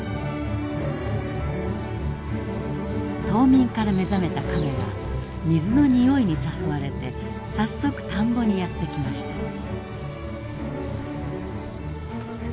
冬眠から目覚めたカメは水のにおいに誘われて早速田んぼにやって来ました。